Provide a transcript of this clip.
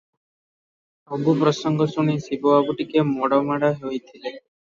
ସବୁ ପ୍ରସଙ୍ଗ ଶୁଣି ଶିବୁ ବାବୁ ଟିକିଏ ମୋଡ଼ ମାଡ଼ ହେଉଥିଲେ ।